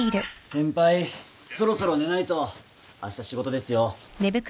先輩そろそろ寝ないとあした仕事ですよ。